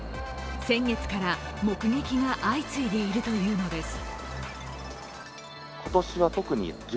先月から目撃が相次いでいるというのです。